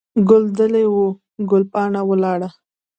ګل دلې وو، ګل پاڼه ولاړه.